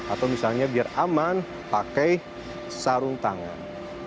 atau misalnya biar aman pakai sarung tangan